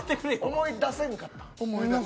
思い出せんかった。